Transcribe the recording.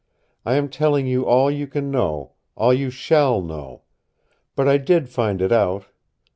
I am telling you all you can know, all you SHALL know. But I did find it out.